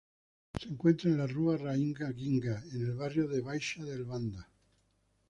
Se encuentra en la Rua Rainha Ginga, en el barrio de Baixa de Luanda.